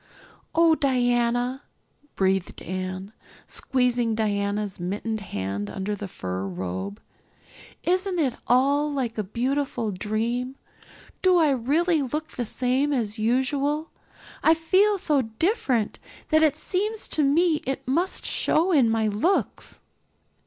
"Oh, Diana," breathed Anne, squeezing Diana's mittened hand under the fur robe, "isn't it all like a beautiful dream? Do I really look the same as usual? I feel so different that it seems to me it must show in my looks."